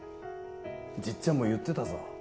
じっちゃんも言ってたぞ。